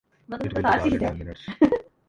It will be dark in ten minutes.